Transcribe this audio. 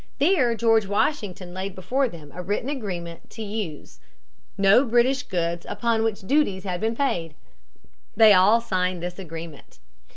There George Washington laid before them a written agreement to use no British goods upon which duties had been paid. They all signed this agreement.